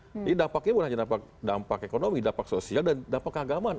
jadi dampaknya bukan hanya dampak ekonomi dampak sosial dan dampak keagamaan